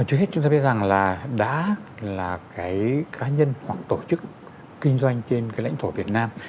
trước hết chúng ta biết rằng là đã là cái cá nhân hoặc tổ chức kinh doanh trên cái lãnh thổ việt nam